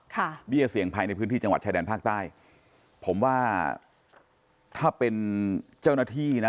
เบี้ยเสี่ยงภัยในพื้นที่จังหวัดชายแดนภาคใต้ผมว่าถ้าเป็นเจ้าหน้าที่นะ